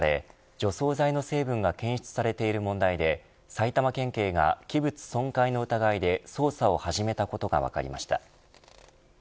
除草剤の成分が検出されている問題で埼玉県警が器物損壊の疑いで捜査を始めたことが分かりました。